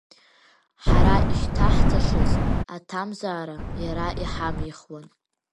Ҳара ишьҭаҳҵашаз аҭамзаара иара иҳамихуан.